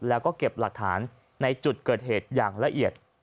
แล้วก็เก็บหลักฐานในจุดเกิดเหตุอย่างละเอียด